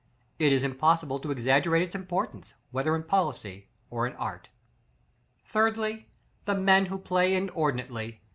It is impossible to exaggerate its importance, whether in polity, or in art. § XXVIII. Thirdly: The men who play inordinately.